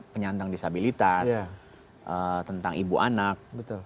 penyandang disabilitas tentang ibu anak